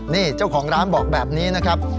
นี่เจ้าของร้านบอกแบบนี้นะครับ